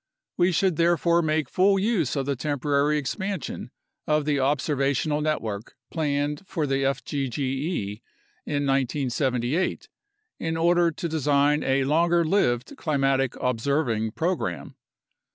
We should therefore make full use of the temporary expansion of the observational network planned for the fgge in 1978 in order to design a longer lived climatic observing program.